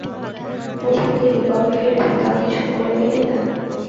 কোথায় গেলি কবে ফিরবি তাও কিছু বলে গেলি না।